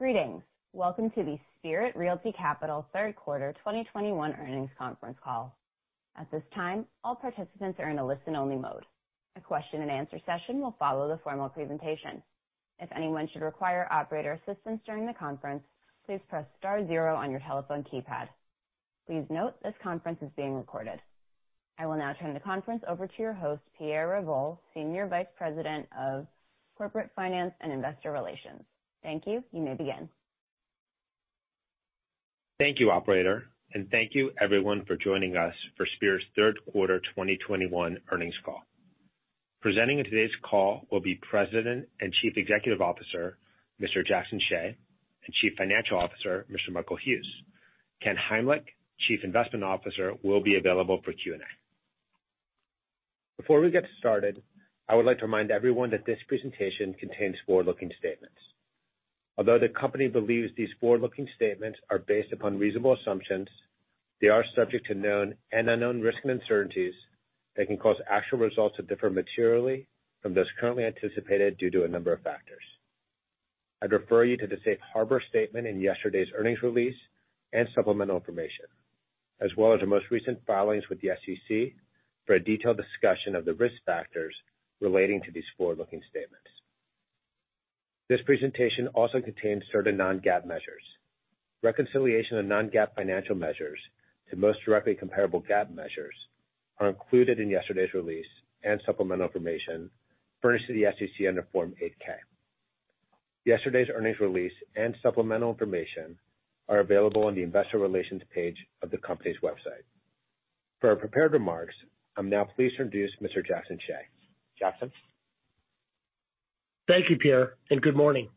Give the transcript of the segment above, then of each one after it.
Greetings. Welcome to the Spirit Realty Capital Third Quarter 2021 earnings conference call. At this time, all participants are in a listen-only mode. A question and answer session will follow the formal presentation. If anyone should require operator assistance during the conference, please press star zero on your telephone keypad. Please note, this conference is being recorded. I will now turn the conference over to your host, Pierre Revol, Senior Vice President of Corporate Finance and Investor Relations. Thank you. You may begin. Thank you, Operator, and thank you everyone for joining us for Spirit's third quarter 2021 earnings call. Presenting in today's call will be President and Chief Executive Officer, Mr. Jackson Hsieh, and Chief Financial Officer, Mr. Michael Hughes. Ken Heimlich, Chief Investment Officer, will be available for Q&A. Before we get started, I would like to remind everyone that this presentation contains forward-looking statements. Although the company believes these forward-looking statements are based upon reasonable assumptions, they are subject to known and unknown risks and uncertainties that can cause actual results to differ materially from those currently anticipated due to a number of factors. I'd refer you to the safe harbor statement in yesterday's earnings release and supplemental information, as well as our most recent filings with the SEC for a detailed discussion of the risk factors relating to these forward-looking statements. This presentation also contains certain non-GAAP measures. Reconciliation of non-GAAP financial measures to most directly comparable GAAP measures are included in yesterday's release and supplemental information furnished to the SEC under Form 8-K. Yesterday's earnings release and supplemental information are available on the investor relations page of the company's website. For our prepared remarks, I'm now pleased to introduce Mr. Jackson Hsieh. Jackson. Thank you, Pierre, and good morning.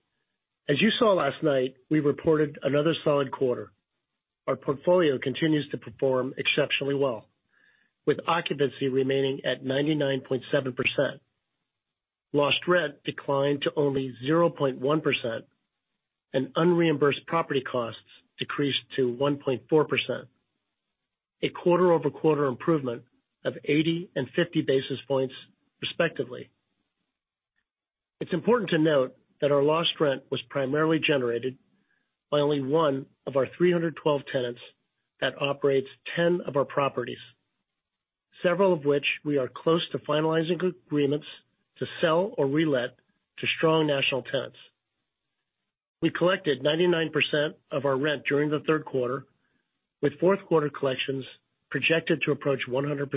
As you saw last night, we reported another solid quarter. Our portfolio continues to perform exceptionally well, with occupancy remaining at 99.7%. Lost rent declined to only 0.1%, and unreimbursed property costs decreased to 1.4%. A quarter-over-quarter improvement of 80 and 50 basis points, respectively. It's important to note that our lost rent was primarily generated by only one of our 312 tenants that operates 10 of our properties, several of which we are close to finalizing agreements to sell or relet to strong national tenants. We collected 99% of our rent during the third quarter, with fourth quarter collections projected to approach 100%.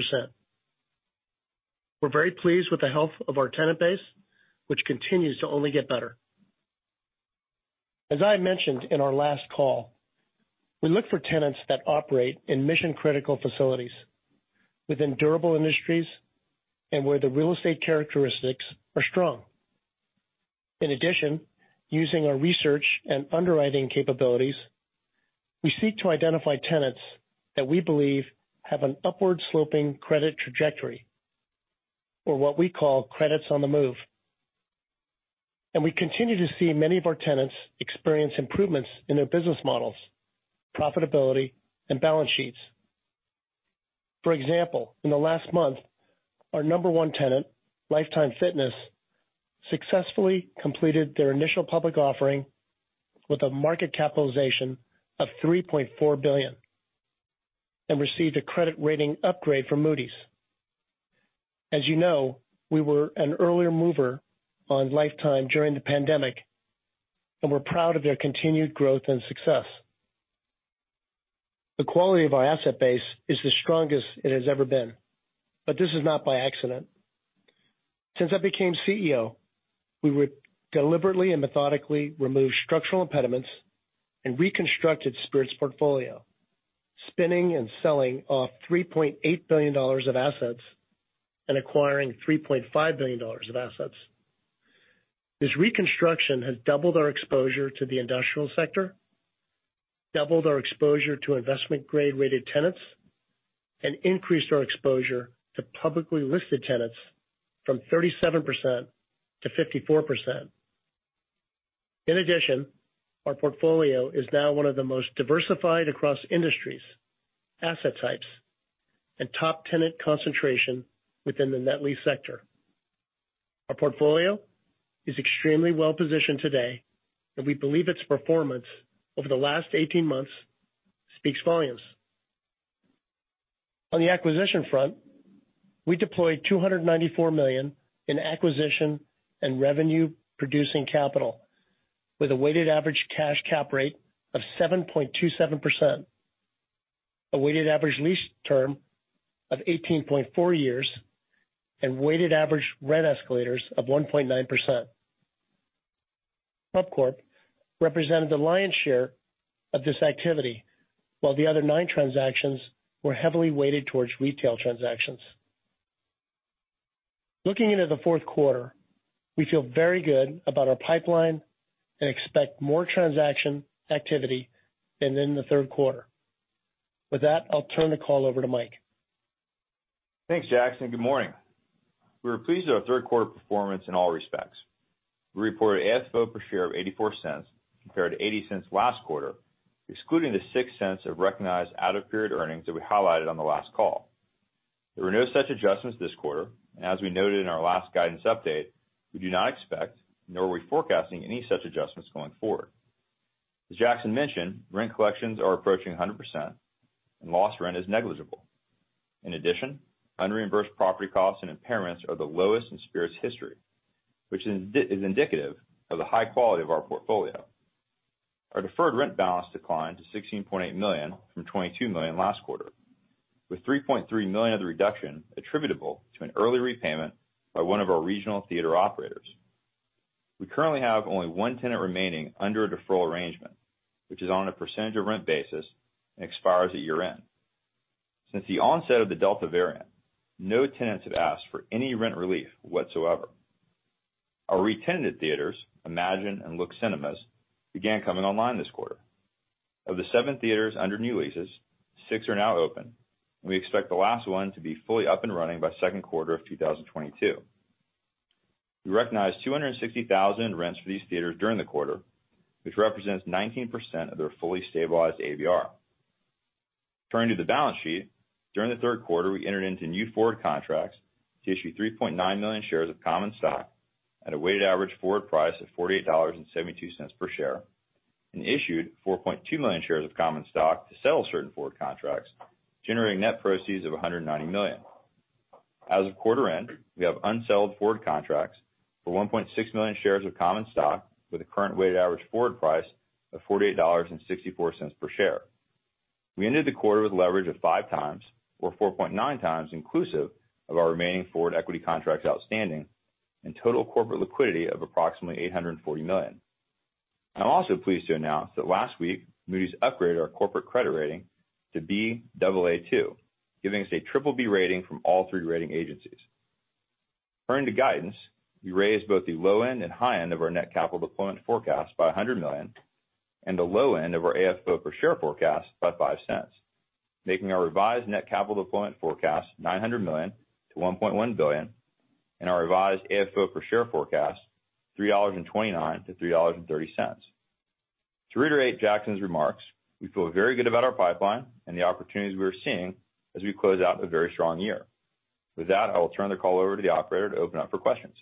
We're very pleased with the health of our tenant base, which continues to only get better. As I mentioned in our last call, we look for tenants that operate in mission-critical facilities within durable industries and where the real estate characteristics are strong. In addition, using our research and underwriting capabilities, we seek to identify tenants that we believe have an upward-sloping credit trajectory or what we call credits on the move. We continue to see many of our tenants experience improvements in their business models, profitability, and balance sheets. For example, in the last month, our number one tenant, Life Time Fitness, successfully completed their initial public offering with a market capitalization of $3.4 billion and received a credit rating upgrade from Moody's. As you know, we were an earlier mover on Life Time Fitness during the pandemic, and we're proud of their continued growth and success. The quality of our asset base is the strongest it has ever been, but this is not by accident. Since I became CEO, we would deliberately and methodically remove structural impediments and reconstructed Spirit's portfolio, spinning and selling off $3.8 billion of assets and acquiring $3.5 billion of assets. This reconstruction has doubled our exposure to the industrial sector, doubled our exposure to investment grade rated tenants, and increased our exposure to publicly listed tenants from 37% to 54%. In addition, our portfolio is now one of the most diversified across industries, asset types, and top tenant concentration within the net lease sector. Our portfolio is extremely well-positioned today, and we believe its performance over the last 18 months speaks volumes. On the acquisition front, we deployed $294 million in acquisition and revenue producing capital with a weighted average cash cap rate of 7.27%, a weighted average lease term of 18.4 years, and weighted average rent escalators of 1.9%. ClubCorp represented the lion's share of this activity, while the other nine transactions were heavily weighted towards retail transactions. Looking into the fourth quarter, we feel very good about our pipeline and expect more transaction activity than in the third quarter. With that, I'll turn the call over to Michael. Thanks, Jackson, good morning. We were pleased with our third quarter performance in all respects. We reported AFFO per share of $0.84 compared to $0.80 last quarter, excluding the $0.06 of recognized out-of-period earnings that we highlighted on the last call. There were no such adjustments this quarter. As we noted in our last guidance update, we do not expect, nor are we forecasting any such adjustments going forward. As Jackson mentioned, rent collections are approaching 100% and lost rent is negligible. In addition, unreimbursed property costs and impairments are the lowest in Spirit's history, which is indicative of the high quality of our portfolio. Our deferred rent balance declined to $16.8 million from $22 million last quarter, with $3.3 million of the reduction attributable to an early repayment by one of our regional theater operators. We currently have only one tenant remaining under a deferral arrangement, which is on a percentage of rent basis and expires at year-end. Since the onset of the Delta variant, no tenants have asked for any rent relief whatsoever. Our re-tenanted theaters, Imagine Cinemas and Lux Cinemas, began coming online this quarter. Of the seven theaters under new leases, six are now open, and we expect the last one to be fully up and running by second quarter of 2022. We recognized $260,000 in rents for these theaters during the quarter, which represents 19% of their fully stabilized ABR. Turning to the balance sheet, during the third quarter, we entered into new forward contracts to issue 3.9 million shares of common stock at a weighted average forward price of $48.72 per share, and issued 4.2 million shares of common stock to sell certain forward contracts, generating net proceeds of $190 million. As of quarter end, we have unsold forward contracts for 1.6 million shares of common stock with a current weighted average forward price of $48.64 per share. We ended the quarter with leverage of 5x or 4.9x inclusive of our remaining forward equity contracts outstanding and total corporate liquidity of approximately $840 million. I'm also pleased to announce that last week, Moody's upgraded our corporate credit rating to Baa2, giving us a triple B rating from all three rating agencies. Turning to guidance, we raised both the low end and high end of our net capital deployment forecast by $100 million and the low end of our AFFO per share forecast by $0.05, making our revised net capital deployment forecast $900 million-$1.1 billion, and our revised AFFO per share forecast $3.29-$3.30. To reiterate Jackson's remarks, we feel very good about our pipeline and the opportunities we are seeing as we close out a very strong year. With that, I will turn the call over to the operator to open up for questions.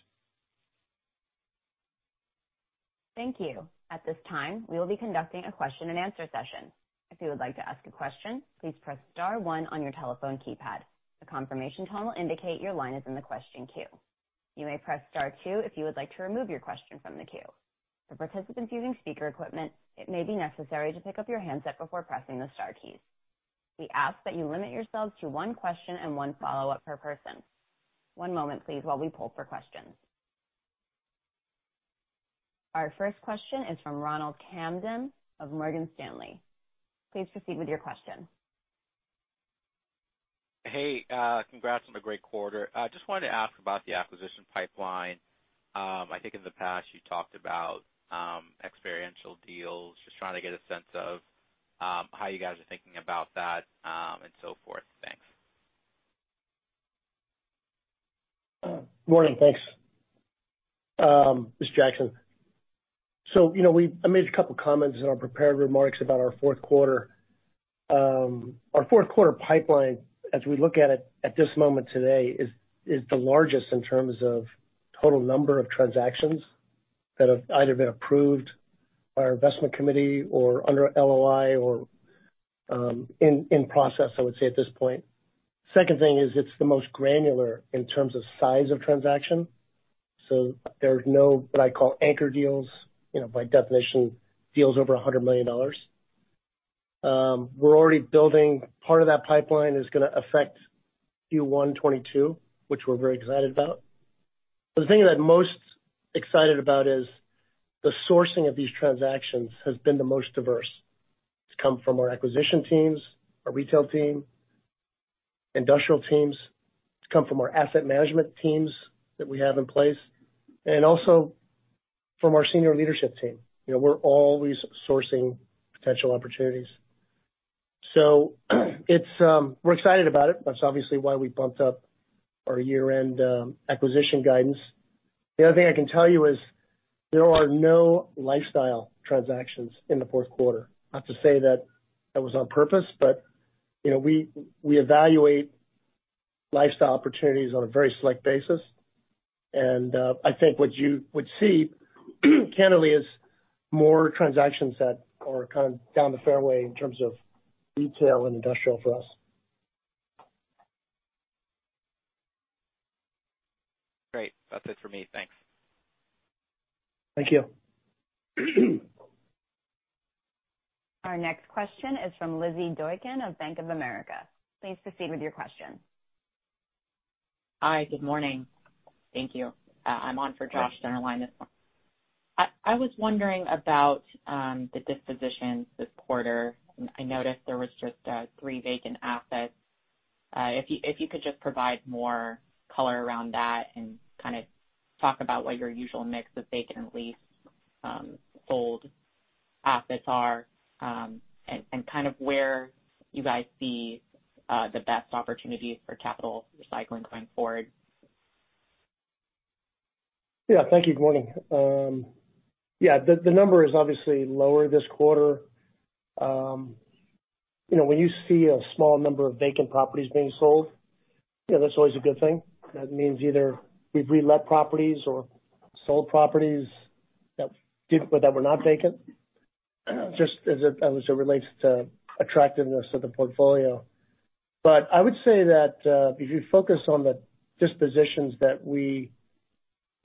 Thank you. At this time, we will be conducting a question and answer session. If you would like to ask a question, please press star one on your telephone keypad. A confirmation tone will indicate your line is in the question queue. You may press star two if you would like to remove your question from the queue. For participants using speaker equipment, it may be necessary to pick up your handset before pressing the star keys. We ask that you limit yourselves to one question and one follow-up per person. One moment, please, while we pull for questions. Our first question is from Ronald Kamden of Morgan Stanley. Please proceed with your question. Hey, congrats on a great quarter. I just wanted to ask about the acquisition pipeline. I think in the past, you talked about experiential deals. Just trying to get a sense of how you guys are thinking about that, and so forth. Thanks. Morning. Thanks. This is Jackson. You know, I made a couple of comments in our prepared remarks about our fourth quarter. Our fourth quarter pipeline, as we look at it at this moment today, is the largest in terms of total number of transactions that have either been approved by our investment committee or under LOI or in process, I would say at this point. Second thing is it's the most granular in terms of size of transaction. There's no what I call anchor deals, you know, by definition, deals over $100 million. Part of that pipeline is gonna affect Q1 2022, which we're very excited about. The thing that I'm most excited about is the sourcing of these transactions has been the most diverse. It's come from our acquisition teams, our retail team, industrial teams. It's come from our asset management teams that we have in place, and also from our senior leadership team. You know, we're always sourcing potential opportunities. It's, we're excited about it. That's obviously why we bumped up our year-end acquisition guidance. The other thing I can tell you is there are no lifestyle transactions in the fourth quarter. Not to say that that was on purpose, but, you know, we evaluate lifestyle opportunities on a very select basis. I think what you would see, candidly, is more transactions that are kind of down the fairway in terms of retail and industrial for us. Great. That's it for me. Thanks. Thank you. Our next question is from Lizzy Doykan of Bank of America. Please proceed with your question. Hi. Good morning. Thank you. I'm on for Josh on our line this morning. I was wondering about the dispositions this quarter. I noticed there was just three vacant assets. If you could just provide more color around that and kind of talk about what your usual mix of vacant leasehold assets are, and kind of where you guys see the best opportunities for capital recycling going forward. Yeah. Thank you. Good morning. Yeah, the number is obviously lower this quarter. You know, when you see a small number of vacant properties being sold, you know, that's always a good thing. That means either we've re-let properties or sold properties but that were not vacant, just as it relates to attractiveness of the portfolio. I would say that if you focus on the dispositions that we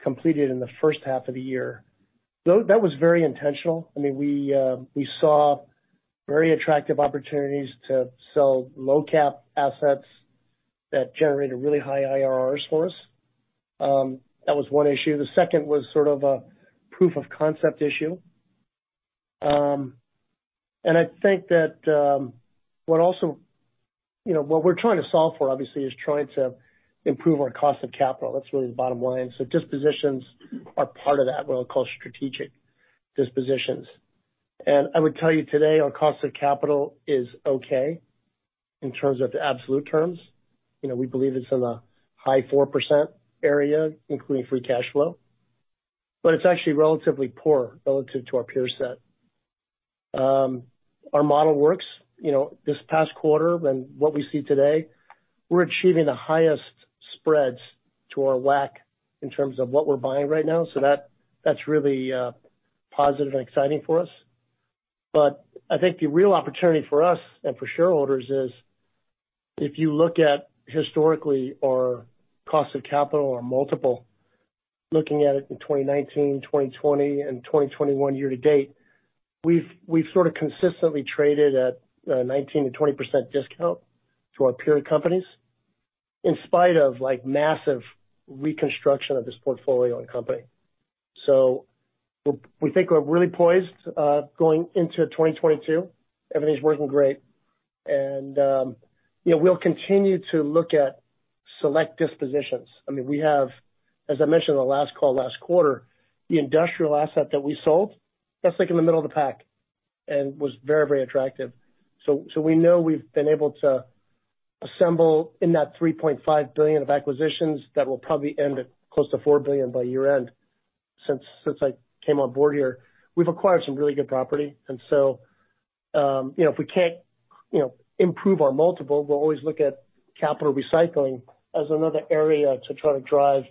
completed in the first half of the year, though that was very intentional. I mean, we saw very attractive opportunities to sell low cap assets that generated really high IRRs for us. That was one issue. The second was sort of a proof of concept issue. I think that what also. You know, what we're trying to solve for, obviously, is trying to improve our cost of capital. That's really the bottom line. Dispositions are part of that, what I call strategic dispositions. I would tell you today, our cost of capital is okay in terms of the absolute terms. You know, we believe it's in the high 4% area, including free cash flow, but it's actually relatively poor relative to our peer set. Our model works. You know, this past quarter and what we see today, we're achieving the highest spreads to our WACC in terms of what we're buying right now. That, that's really positive and exciting for us. I think the real opportunity for us and for shareholders is, if you look at historically our cost of capital, our multiple, looking at it in 2019, 2020 and 2021 year to date, we've sort of consistently traded at a 19%-20% discount to our peer companies in spite of, like, massive reconstruction of this portfolio and company. We think we're really poised going into 2022. Everything's working great. You know, we'll continue to look at select dispositions. I mean, we have, as I mentioned on the last call last quarter, the industrial asset that we sold, that's like in the middle of the pack and was very, very attractive. We know we've been able to assemble in that $3.5 billion of acquisitions that will probably end at close to $4 billion by year end. Since I came on board here, we've acquired some really good property. You know, if we can't, you know, improve our multiple, we'll always look at capital recycling as another area to try to drive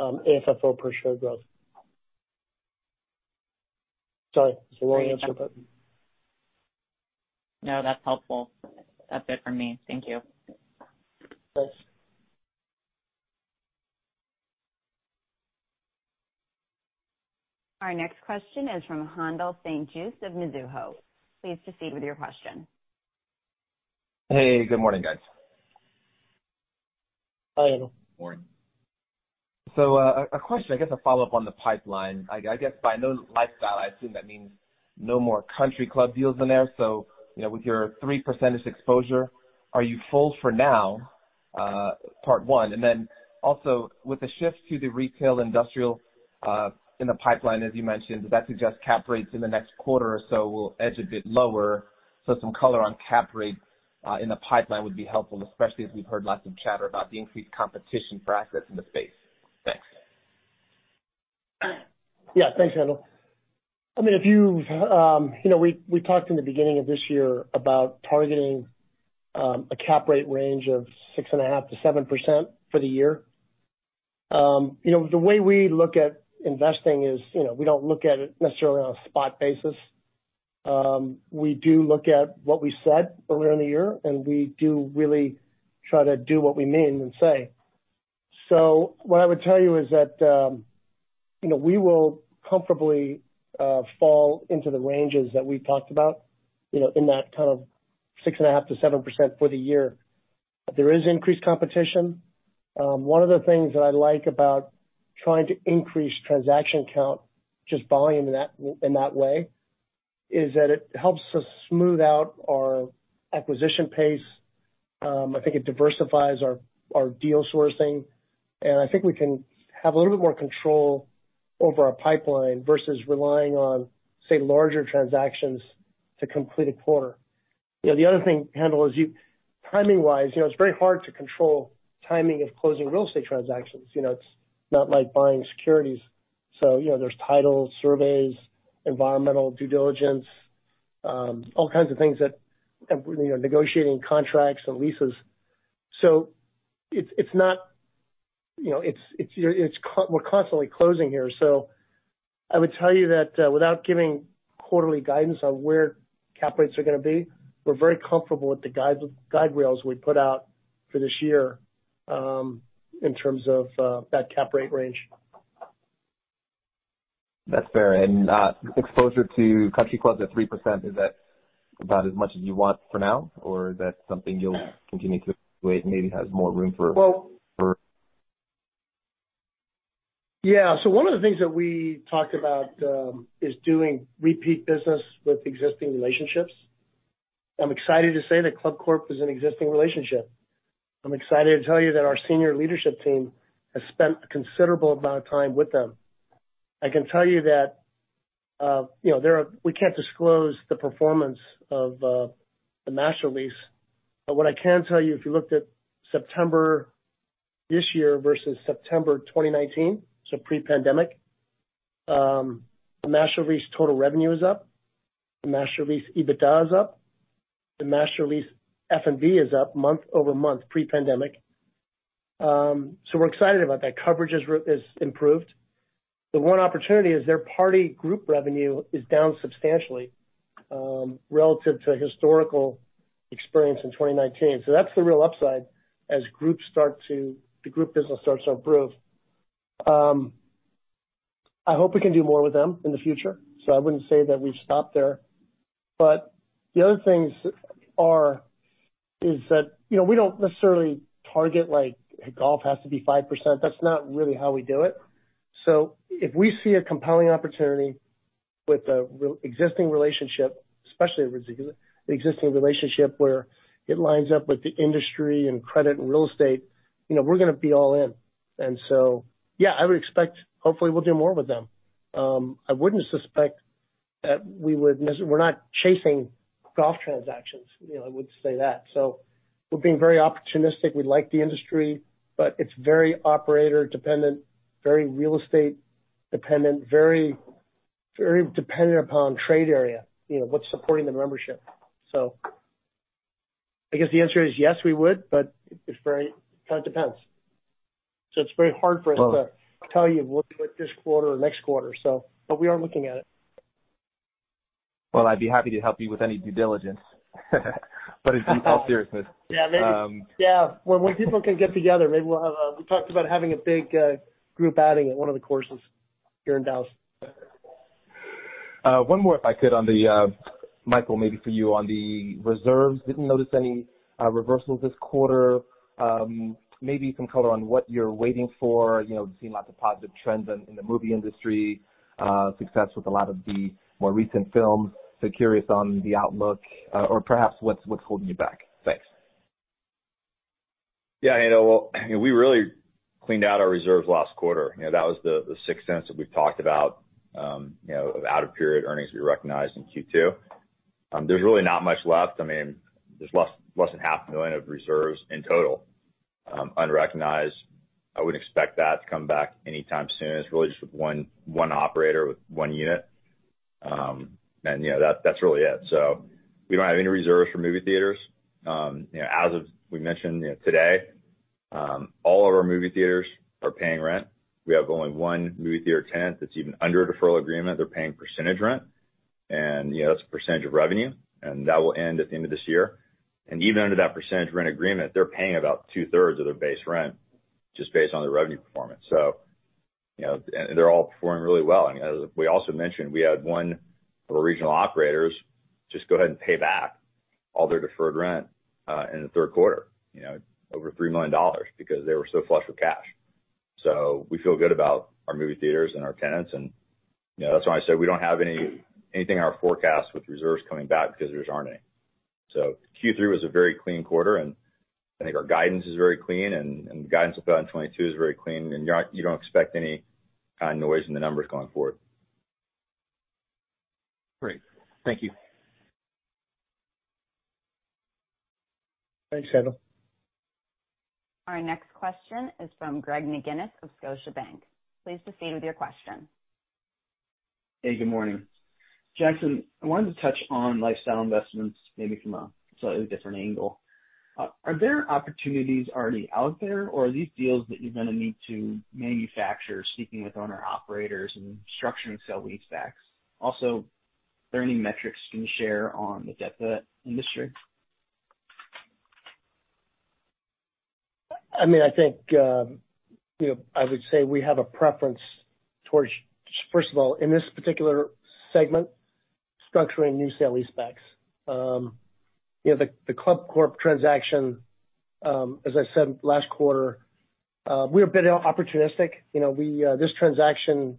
AFFO per share growth. Sorry. Is there one answer button? No, that's helpful. That's it from me. Thank you. Thanks. Our next question is from Haendel St. Juste of Mizuho. Please proceed with your question. Hey, good morning, guys. Hi, Haendel. Morning. A question, I guess a follow-up on the pipeline. I guess by no lifestyle, I assume that means no more country club deals in there. You know, with your 3% exposure, are you full for now? Part one. Then also with the shift to the retail industrial in the pipeline, as you mentioned, does that suggest cap rates in the next quarter or so will edge a bit lower? Some color on cap rates in the pipeline would be helpful, especially as we've heard lots of chatter about the increased competition for assets in the space. Thanks. Yeah. Thanks, Haendel. I mean, if you've you know, we talked in the beginning of this year about targeting a cap rate range of 6.5%-7% for the year. You know, the way we look at investing is, you know, we don't look at it necessarily on a spot basis. We do look at what we said earlier in the year, and we do really try to do what we mean and say. What I would tell you is that, you know, we will comfortably fall into the ranges that we've talked about, you know, in that kind of 6.5%-7% for the year. There is increased competition. One of the things that I like about trying to increase transaction count, just volume in that way, is that it helps us smooth out our acquisition pace. I think it diversifies our deal sourcing, and I think we can have a little bit more control over our pipeline versus relying on, say, larger transactions to complete a quarter. You know, the other thing, Haendel, is timing wise, you know, it's very hard to control timing of closing real estate transactions. You know, it's not like buying securities. So, you know, there's titles, surveys, environmental due diligence, all kinds of things that, you know, negotiating contracts and leases. So it's not. You know, we're constantly closing here. I would tell you that, without giving quarterly guidance on where cap rates are gonna be, we're very comfortable with the guide rails we put out for this year, in terms of that cap rate range. That's fair. Exposure to country clubs at 3%, is that about as much as you want for now, or is that something you'll continue to wait, maybe has more room for. Well. For. Yeah. One of the things that we talked about is doing repeat business with existing relationships. I'm excited to say that ClubCorp is an existing relationship. I'm excited to tell you that our senior leadership team has spent a considerable amount of time with them. I can tell you that, you know, we can't disclose the performance of the master lease. But what I can tell you, if you looked at September this year versus September 2019, so pre-pandemic, the master lease total revenue is up. The master lease EBITDA is up. The master lease FMV is up, month-over-month, pre-pandemic. So we're excited about that. Coverage has improved. The one opportunity is their party group revenue is down substantially, relative to historical experience in 2019. That's the real upside as the group business starts to improve. I hope we can do more with them in the future, so I wouldn't say that we've stopped there. But the other thing is that, you know, we don't necessarily target like golf has to be 5%. That's not really how we do it. If we see a compelling opportunity with the pre-existing relationship, especially with the pre-existing relationship where it lines up with the industry and credit and real estate, you know, we're gonna be all in. Yeah, I would expect, hopefully we'll do more with them. I wouldn't suspect that we're not chasing golf transactions. You know, I would say that. We're being very opportunistic. We like the industry, but it's very operator dependent, very real estate dependent, very, very dependent upon trade area, you know, what's supporting the membership. I guess the answer is yes, we would, but it's very, kinda depends. It's very hard for us to tell you what, this quarter or next quarter. But we are looking at it. Well, I'd be happy to help you with any due diligence. In all seriousness. Yeah. Maybe. Um. Yeah. When people can get together, maybe we talked about having a big group outing at one of the courses here in Dallas. One more, if I could, on the Michael, maybe for you on the reserves. Didn't notice any reversals this quarter. Maybe some color on what you're waiting for. You know, we've seen lots of positive trends in the movie industry, success with a lot of the more recent films. Curious on the outlook, or perhaps what's holding you back. Thanks. Yeah, you know, well, we really cleaned out our reserves last quarter. You know, that was the sixth sense that we've talked about, you know, out of period earnings we recognized in Q2. There's really not much left. I mean, there's less than half a million of reserves in total, unrecognized. I would expect that to come back anytime soon. It's really just with one operator with one unit. You know, that's really it. We don't have any reserves for movie theaters. You know, as we mentioned, you know, today, all of our movie theaters are paying rent. We have only one movie theater tenant that's even under a deferral agreement. They're paying percentage rent, and you know, that's a percentage of revenue, and that will end at the end of this year. Even under that percentage rent agreement, they're paying about two-thirds of their base rent just based on their revenue performance. You know, they're all performing really well. As we also mentioned, we had one of our regional operators just go ahead and pay back all their deferred rent in the third quarter, you know, over $3 million because they were so flush with cash. We feel good about our movie theaters and our tenants and, you know, that's why I said we don't have anything in our forecast with reserves coming back because there aren't any. Q3 was a very clean quarter, and I think our guidance is very clean and guidance in 2022 is very clean and you don't expect any noise in the numbers going forward. Great. Thank you. Thanks, Haendel. Our next question is from Greg McGinniss of Scotiabank. Please proceed with your question. Hey, good morning. Jackson, I wanted to touch on lifestyle investments, maybe from a slightly different angle. Are there opportunities already out there or are these deals that you're gonna need to manufacture, speaking with owner-operators and structuring sale-leasebacks? Also, are there any metrics can you share on the debt industry? I mean, I think, you know, I would say we have a preference towards, first of all, in this particular segment, structuring new sale leasebacks. You know, the ClubCorp transaction, as I said last quarter, we're a bit opportunistic. You know, we, this transaction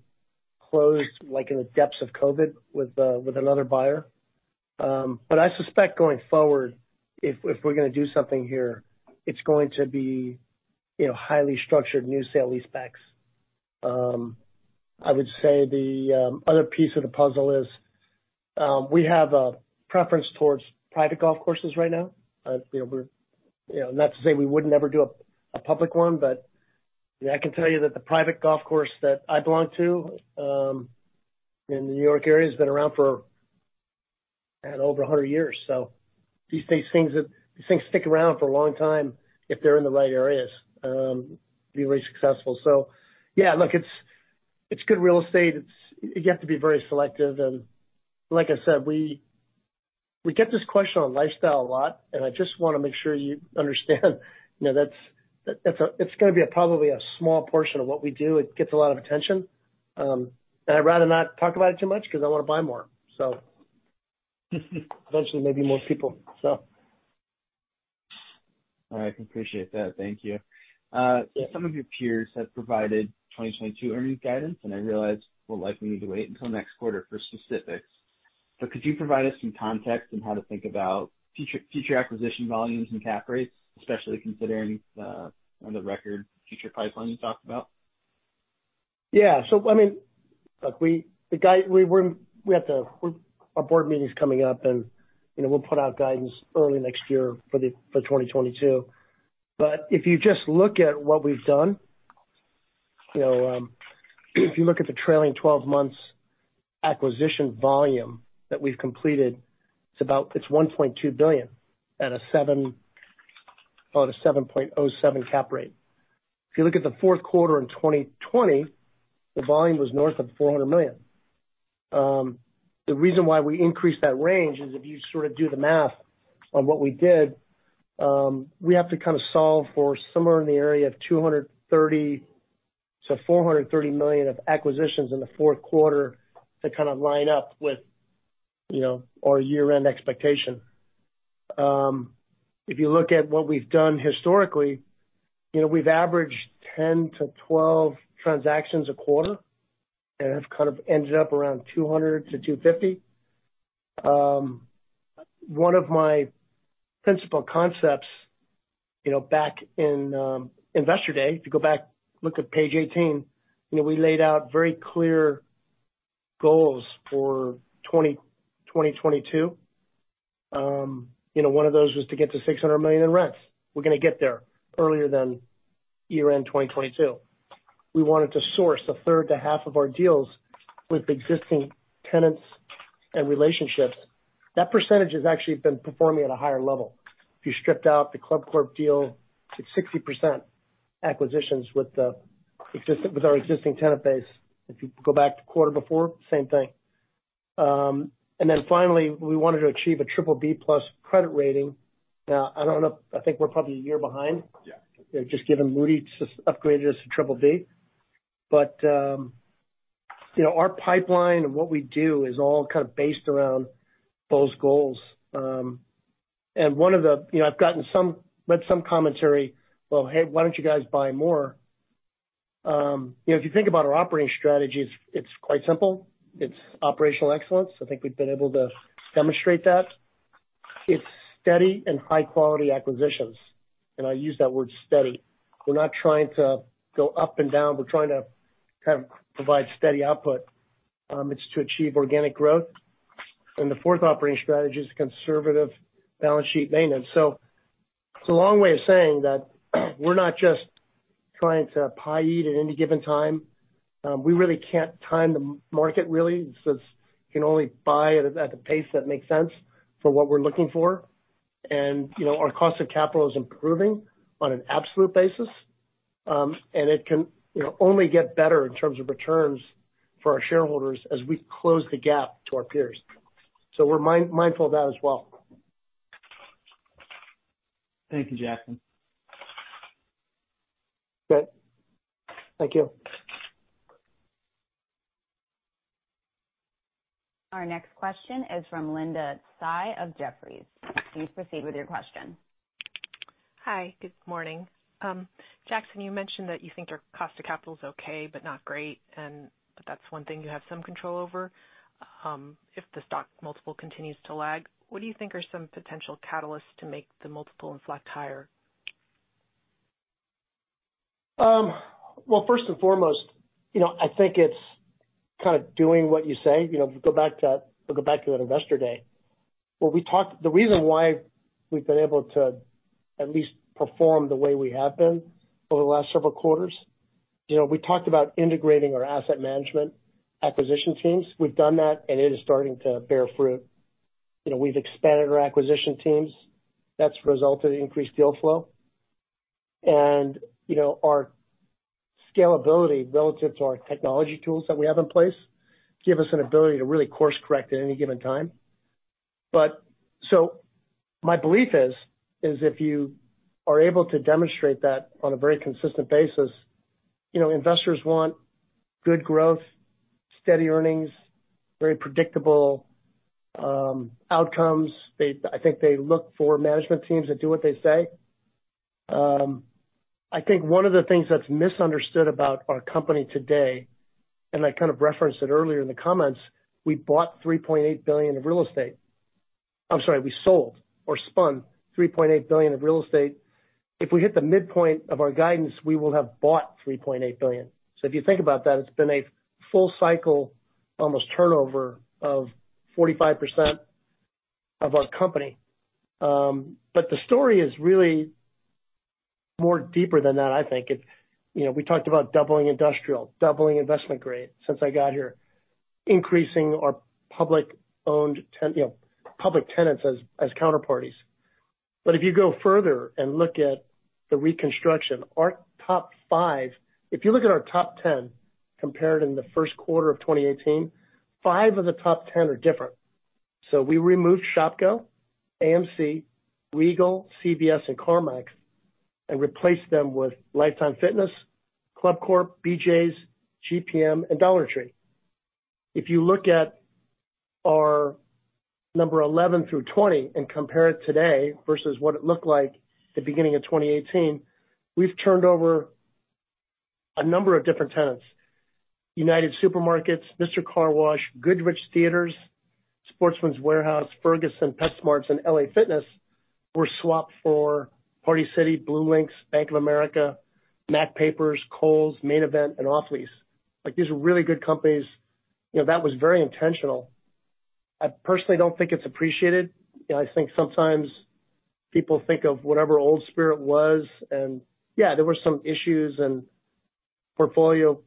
closed like in the depths of COVID with another buyer. But I suspect going forward, if we're gonna do something here, it's going to be, you know, highly structured new sale leasebacks. I would say the other piece of the puzzle is, we have a preference towards private golf courses right now. You know, we're, you know, not to say we would never do a public one, but I can tell you that the private golf course that I belong to in the New York area has been around for, I don't know, over a hundred years. These things stick around for a long time if they're in the right areas to be really successful. Yeah, look, it's good real estate. You have to be very selective. Like I said, we get this question on lifestyle a lot, and I just wanna make sure you understand, you know, that's it's gonna be probably a small portion of what we do. It gets a lot of attention, and I'd rather not talk about it too much because I wanna buy more. Eventually, maybe most people, so. All right, appreciate that. Thank you. Some of your peers have provided 2022 earnings guidance, and I realize we'll likely need to wait until next quarter for specifics. Could you provide us some context on how to think about future acquisition volumes and cap rates, especially considering on the record future pipeline you talked about? I mean, look, our board meeting's coming up and, you know, we'll put out guidance early next year for 2022. If you just look at what we've done, you know, if you look at the trailing 12 months acquisition volume that we've completed, it's about $1.2 billion on a 7.07 cap rate. If you look at the fourth quarter in 2020, the volume was north of $400 million. The reason why we increased that range is if you sort of do the math on what we did, we have to kind of solve for somewhere in the area of $230 million-$430 million of acquisitions in the fourth quarter to kind of line up with, you know, our year-end expectation. If you look at what we've done historically, you know, we've averaged 10-12 transactions a quarter, and have kind of ended up around $200-$250. One of my principal concepts, you know, back in Investor Day, if you go back, look at page 18, you know, we laid out very clear goals for 2020-2022. You know, one of those was to get to $600 million in rents. We're gonna get there earlier than year-end 2022. We wanted to source a third to half of our deals with existing tenants and relationships. That percentage has actually been performing at a higher level. If you stripped out the ClubCorp deal, it's 60% acquisitions with our existing tenant base. If you go back to quarter before, same thing. Finally, we wanted to achieve a BBB+ credit rating. Now, I don't know, I think we're probably a year behind. Yeah. Just given that Moody's just upgraded us to BBB. You know, our pipeline and what we do is all kind of based around those goals. You know, I've read some commentary, well, hey, why don't you guys buy more? You know, if you think about our operating strategy, it's quite simple. It's operational excellence. I think we've been able to demonstrate that. It's steady and high quality acquisitions, and I use that word steady. We're not trying to go up and down. We're trying to kind of provide steady output. It's to achieve organic growth. The fourth operating strategy is conservative balance sheet maintenance. It's a long way of saying that we're not just trying to deploy at any given time. We really can't time the market, really, since you can only buy at a pace that makes sense for what we're looking for. You know, our cost of capital is improving on an absolute basis, and it can, you know, only get better in terms of returns for our shareholders as we close the gap to our peers. We're mindful of that as well. Thank you, Jackson. Good. Thank you. Our next question is from Linda Tsai of Jefferies. Please proceed with your question. Hi. Good morning. Jackson, you mentioned that you think your cost of capital is okay, but not great, and that's one thing you have some control over. If the stock multiple continues to lag, what do you think are some potential catalysts to make the multiple and select higher? Well, first and foremost, you know, I think it's kind of doing what you say. You know, if you go back to that Investor Day, where we talked, the reason why we've been able to at least perform the way we have been over the last several quarters, you know, we talked about integrating our asset management acquisition teams. We've done that, and it is starting to bear fruit. You know, we've expanded our acquisition teams. That's resulted in increased deal flow. You know, our scalability relative to our technology tools that we have in place give us an ability to really course correct at any given time. So my belief is if you are able to demonstrate that on a very consistent basis, you know, investors want good growth, steady earnings, very predictable outcomes. I think they look for management teams that do what they say. I think one of the things that's misunderstood about our company today, and I kind of referenced it earlier in the comments, we bought $3.8 billion of real estate. I'm sorry, we sold or spun $3.8 billion of real estate. If we hit the midpoint of our guidance, we will have bought $3.8 billion. So if you think about that, it's been a full cycle, almost turnover of 45% of our company. The story is really more deeper than that, I think. It's, you know, we talked about doubling industrial, doubling investment grade since I got here, increasing our public owned tenants as counterparties. If you go further and look at the reconstruction, our top five. If you look at our top ten compared in the first quarter of 2018, five of the top ten are different. We removed Shopko, AMC, Regal, CVS, and CarMax, and replaced them with Life Time Fitness, ClubCorp, BJ's, GPM and Dollar Tree. If you look at our number 11 through 20 and compare it today versus what it looked like the beginning of 2018, we've turned over a number of different tenants. United Supermarkets, Mister Car Wash, Goodrich Quality Theaters, Sportsman's Warehouse, Ferguson, PetSmart, and LA Fitness were swapped for Party City, BlueLinx, Bank of America, Mac Papers, Kohl's, Main Event, and Off Lease Only. Like these are really good companies. You know, that was very intentional. I personally don't think it's appreciated. You know, I think sometimes people think of whatever old Spirit was, and yeah, there were some issues and portfolio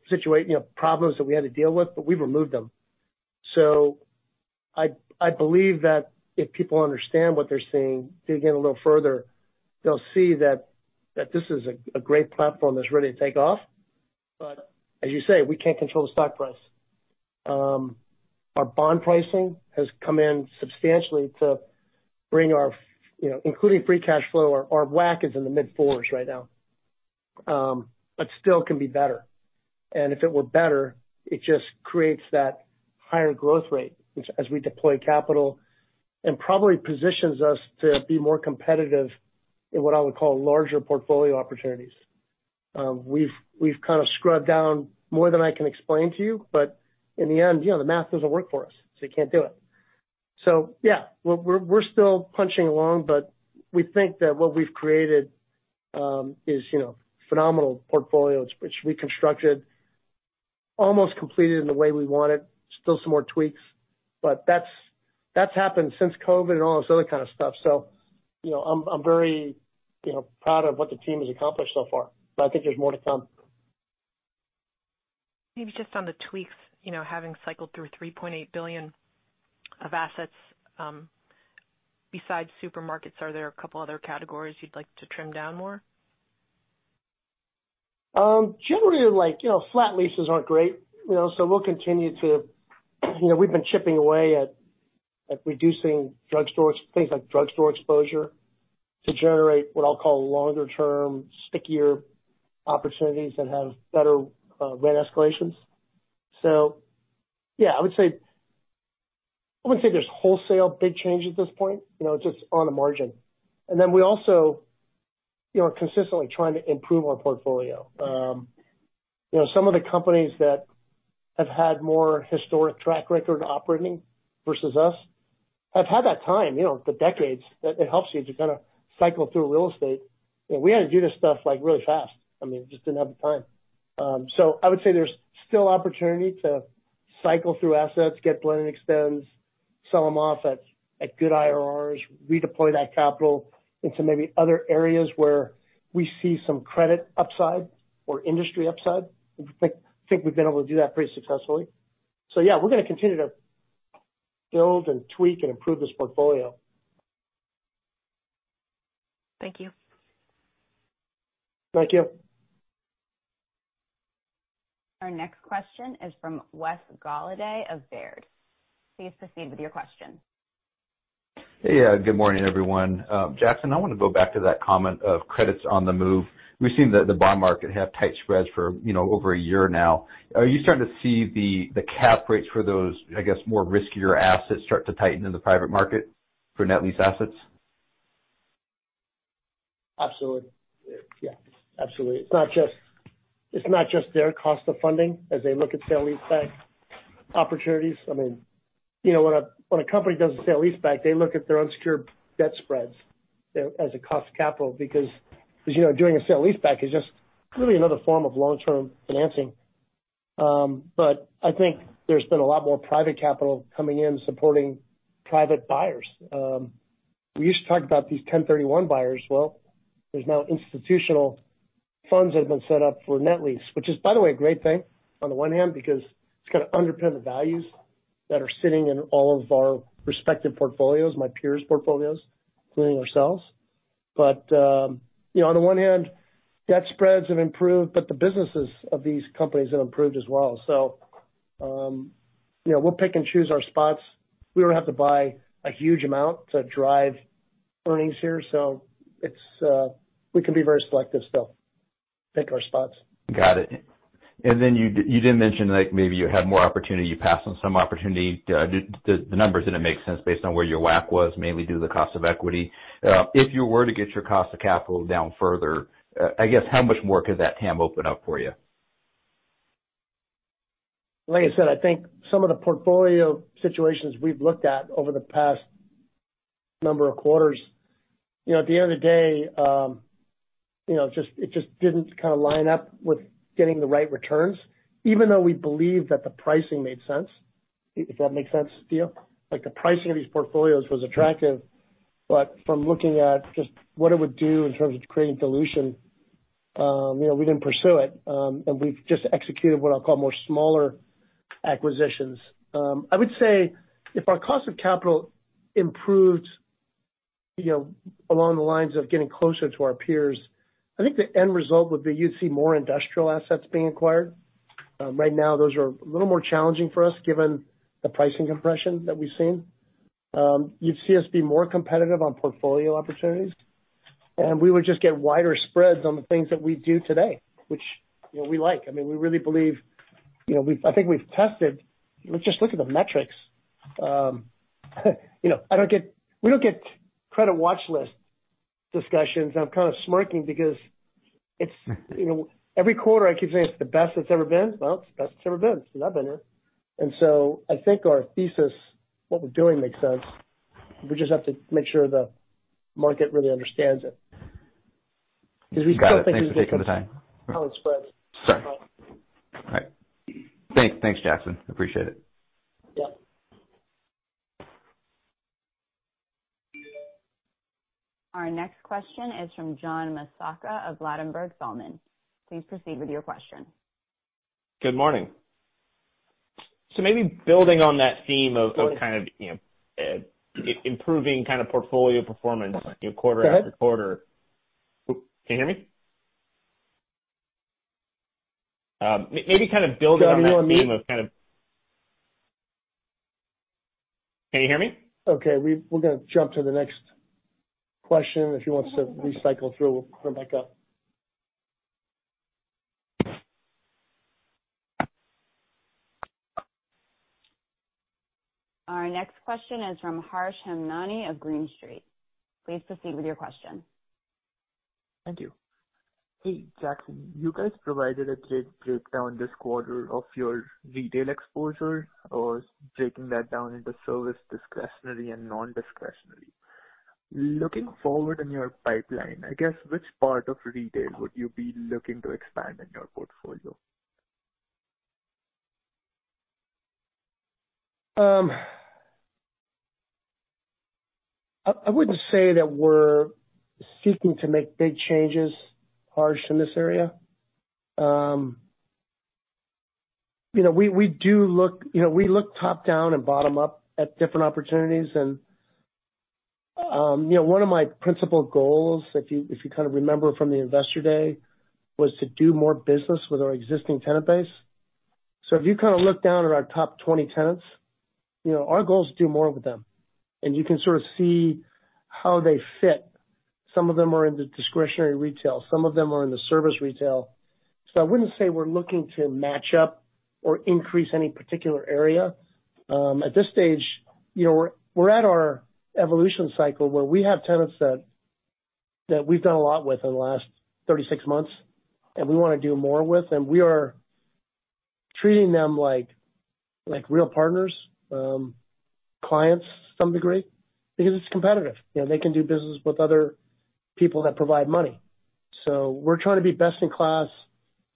problems that we had to deal with, but we've removed them. I believe that if people understand what they're seeing, dig in a little further, they'll see that this is a great platform that's ready to take off. But as you say, we can't control the stock price. Our bond pricing has come in substantially to bring our including free cash flow, our WACC is in the mid-4s right now. But still can be better. If it were better, it just creates that higher growth rate as we deploy capital, and probably positions us to be more competitive in what I would call larger portfolio opportunities. We've kind of scrubbed down more than I can explain to you, but in the end, you know, the math doesn't work for us, so you can't do it. Yeah, we're still punching along, but we think that what we've created is, you know, phenomenal portfolios which we constructed, almost completed in the way we wanted. Still some more tweaks, but that's happened since COVID and all this other kind of stuff. You know, I'm very, you know, proud of what the team has accomplished so far, but I think there's more to come. Maybe just on the tweaks, you know, having cycled through $3.8 billion of assets, besides supermarkets, are there a couple other categories you'd like to trim down more? Generally like, you know, flat leases aren't great, you know, so we'll continue to. You know, we've been chipping away at reducing drugstores, things like drugstore exposure to generate what I'll call longer term stickier opportunities that have better, rent escalations. Yeah, I would say, I wouldn't say there's wholesale big change at this point. You know, just on the margin. Then we also, you know, are consistently trying to improve our portfolio. You know, some of the companies that have had more historic track record operating versus us have had that time, you know, the decades that it helps you to kind of cycle through real estate. You know, we had to do this stuff like really fast. I mean, we just didn't have the time. I would say there's still opportunity to cycle through assets, get blend and extends, sell them off at good IRRs, redeploy that capital into maybe other areas where we see some credit upside or industry upside. I think we've been able to do that pretty successfully. Yeah, we're gonna continue to build and tweak and improve this portfolio. Thank you. Thank you. Our next question is from Wes Golladay of Baird. Please proceed with your question. Hey. Good morning, everyone. Jackson, I wanna go back to that comment of credits on the move. We've seen the bond market have tight spreads for over a year now. Are you starting to see the cap rates for those, I guess, more riskier assets start to tighten in the private market for net lease assets? Absolutely. Yeah, absolutely. It's not just their cost of funding as they look at sale leaseback opportunities. When a company does a sale leaseback, they look at their unsecured debt spreads as a cost of capital because doing a sale leaseback is just really another form of long-term financing. I think there's been a lot more private capital coming in supporting private buyers. We used to talk about these 1031 buyers. Well, there's now institutional funds that have been set up for net lease, which is, by the way, a great thing on the one hand because it's gonna underpin the values that are sitting in all of our respective portfolios, my peers' portfolios, including ourselves. You know, on the one hand, debt spreads have improved, but the businesses of these companies have improved as well. You know, we'll pick and choose our spots. We don't have to buy a huge amount to drive earnings here, so it's we can be very selective still. Pick our spots. Got it. You did mention, like maybe you had more opportunity, you passed on some opportunity. The numbers didn't make sense based on where your WACC was, mainly due to the cost of equity. If you were to get your cost of capital down further, I guess how much more could that TAM open up for you? Like I said, I think some of the portfolio situations we've looked at over the past number of quarters, you know, at the end of the day, it just didn't kind of line up with getting the right returns, even though we believed that the pricing made sense, if that makes sense to you. Like, the pricing of these portfolios was attractive, but from looking at just what it would do in terms of creating dilution, you know, we didn't pursue it. We've just executed what I'll call more smaller acquisitions. I would say if our cost of capital improved, you know, along the lines of getting closer to our peers, I think the end result would be you'd see more industrial assets being acquired. Right now, those are a little more challenging for us, given the pricing compression that we've seen. You'd see us be more competitive on portfolio opportunities, and we would just get wider spreads on the things that we do today, which, you know, we like. I mean, we really believe, you know, I think we've tested. Let's just look at the metrics. You know, we don't get credit watch lists discussions, I'm kind of smirking because it's, you know, every quarter I keep saying it's the best it's ever been. Well, it's the best it's ever been since I've been here. I think our thesis, what we're doing makes sense. We just have to make sure the market really understands it because we still think there's Got it. Thanks for taking the time. Sorry. All right. Thanks. Thanks, Jackson. Appreciate it. Yeah. Our next question is from John Massocca of Ladenburg Thalmann. Please proceed with your question. Good morning. Maybe building on that theme of kind of, you know, improving kind of portfolio performance, you know, quarter after quarter. Go ahead. Can you hear me? Maybe kind of building on that theme of kind of. Can you hear me? Okay, we're gonna jump to the next question. If you want us to recycle through, we'll bring you back up. Our next question is from Harsh Hemnani of Green Street. Please proceed with your question. Thank you. Hey, Jackson. You guys provided a great breakdown this quarter of your retail exposure or breaking that down into service discretionary and non-discretionary. Looking forward in your pipeline, I guess which part of retail would you be looking to expand in your portfolio? I wouldn't say that we're seeking to make big changes, Harsh, in this area. You know, we look top-down and bottom-up at different opportunities. You know, one of my principal goals, if you kind of remember from the Investor Day, was to do more business with our existing tenant base. If you kind of look down at our top 20 tenants, you know, our goal is to do more with them. You can sort of see how they fit. Some of them are in the discretionary retail. Some of them are in the service retail. I wouldn't say we're looking to match up or increase any particular area. At this stage, you know, we're at our evolution cycle where we have tenants that we've done a lot with in the last 36 months and we wanna do more with, and we are treating them like real partners, clients to some degree because it's competitive. You know, they can do business with other people that provide money. We're trying to be best in class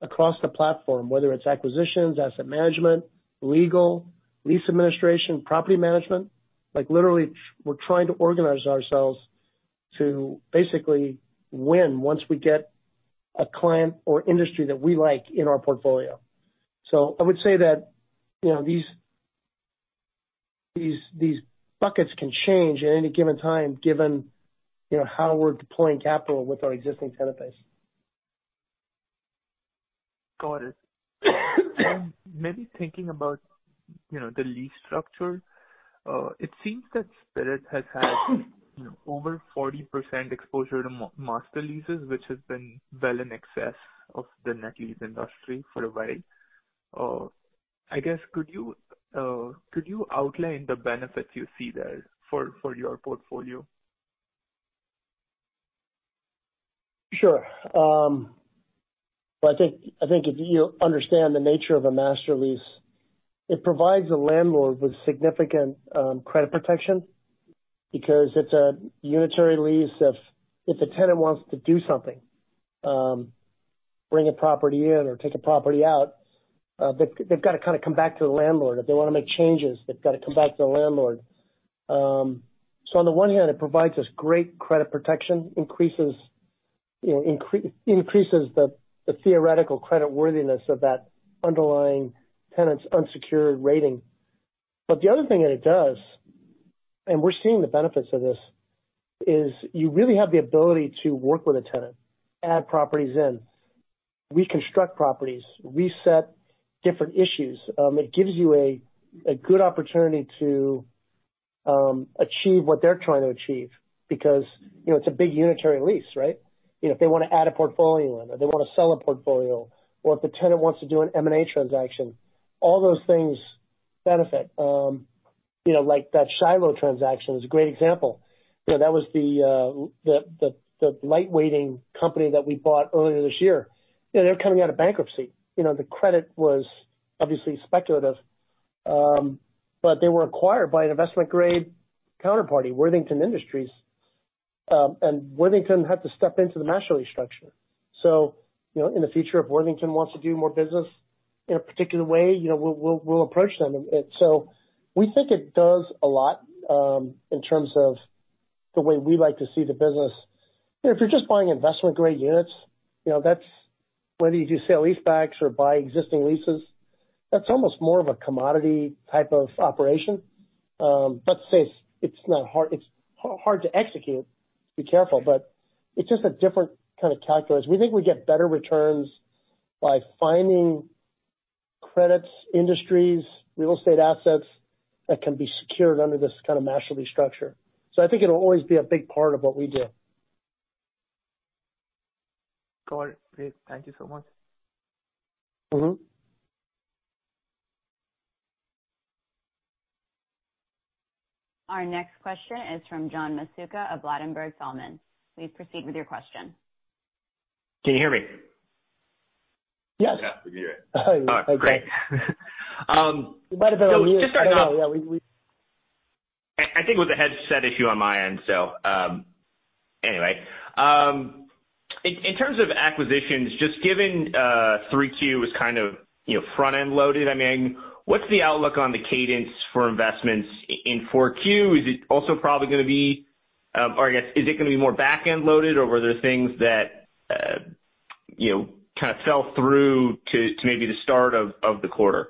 across the platform, whether it's acquisitions, asset management, legal, lease administration, property management. Like, literally we're trying to organize ourselves to basically win once we get a client or industry that we like in our portfolio. I would say that, you know, these buckets can change at any given time, given, you know, how we're deploying capital with our existing tenant base. Got it. Maybe thinking about, you know, the lease structure. It seems that Spirit has had, you know, over 40% exposure to master leases, which has been well in excess of the net lease industry for a while. I guess could you outline the benefits you see there for your portfolio? Sure. Well, I think if you understand the nature of a master lease, it provides a landlord with significant credit protection because it's a unitary lease. If the tenant wants to do something, bring a property in or take a property out, they've got to kind of come back to the landlord. If they wanna make changes, they've got to come back to the landlord. So on the one hand, it provides us great credit protection, increases, you know, increases the theoretical creditworthiness of that underlying tenant's unsecured rating. But the other thing that it does, and we're seeing the benefits of this, is you really have the ability to work with a tenant, add properties in, reconstruct properties, reset different issues. It gives you a good opportunity to achieve what they're trying to achieve because, you know, it's a big unitary lease, right? You know, if they wanna add a portfolio in or they wanna sell a portfolio, or if the tenant wants to do an M&A transaction, all those things benefit. You know, like that Shiloh transaction is a great example. You know, that was the light weighting company that we bought earlier this year. You know, they're coming out of bankruptcy. You know, the credit was obviously speculative, but they were acquired by an investment grade counterparty, Worthington Industries. Worthington had to step into the master lease structure. You know, in the future, if Worthington wants to do more business in a particular way, you know, we'll approach them. We think it does a lot in terms of the way we like to see the business. You know, if you're just buying investment grade units, you know, that's whether you do sale leasebacks or buy existing leases, that's almost more of a commodity type of operation. It's hard to execute. Be careful, but it's just a different kind of calculus. We think we get better returns by finding credits, industries, real estate assets that can be secured under this kind of master lease structure. I think it'll always be a big part of what we do. Got it. Great. Thank you so much. Mm-hmm. Our next question is from John Massocca of Ladenburg Thalmann. Please proceed with your question. Can you hear me? Yes. Yeah, we can hear you. All right, great. You might have a little mute. Just to start off. Yeah, we. I think it was a headset issue on my end. Anyway, in terms of acquisitions, just given 3Q was kind of, you know, front-end loaded, I mean, what's the outlook on the cadence for investments in 4Q? Is it also probably gonna be, or I guess, is it gonna be more back-end loaded or were there things that, you know, kind of fell through to maybe the start of the quarter?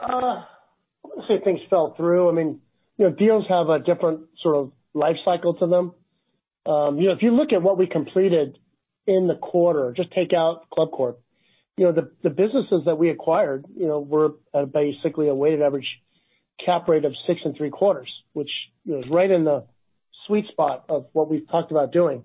I wouldn't say things fell through. I mean, you know, deals have a different sort of life cycle to them. You know, if you look at what we completed in the quarter, just take out ClubCorp. You know, the businesses that we acquired, you know, were basically a weighted average cap rate of 6.75%, which, you know, is right in the sweet spot of what we've talked about doing.